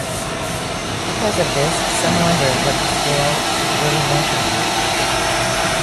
Because of this, some wonder what the scale is really measuring.